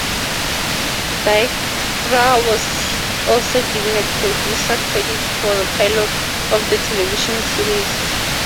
Dykstra was also given a Producer credit for the pilot of the television series.